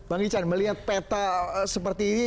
bang ican melihat peta seperti ini